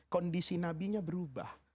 kondisi nabinya berubah